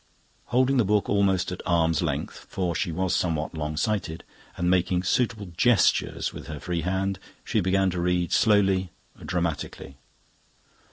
Holding the book almost at arm's length, for she was somewhat long sighted, and making suitable gestures with her free hand, she began to read, slowly, dramatically.